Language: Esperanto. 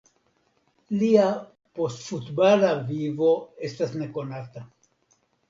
Lia postfutbala vivo estas nekonata.